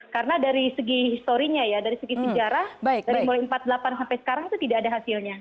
karena dari segi historinya ya dari segi sejarah dari mulai empat puluh delapan sampai sekarang itu tidak ada hasilnya